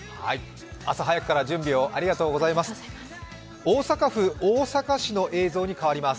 朝早くから準備をありがとうございます。